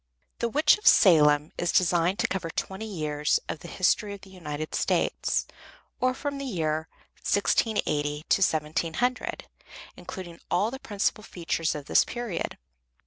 The "Witch of Salem" is designed to cover twenty years in the history of the United States, or from the year 1680 to 1700, including all the principal features of this period.